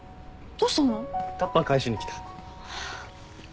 タッパー返しに来た。